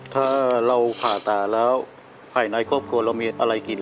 ถ้าเราผ่าตาแล้วภายในครอบครัวเรามีอะไรกิน